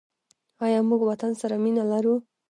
آیا موږ وطن سره مینه لرو؟